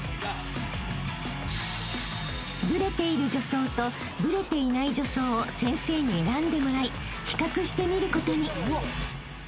［ブレている助走とブレていない助走を先生に選んでもらい比較してみることに］